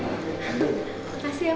makasih ya pak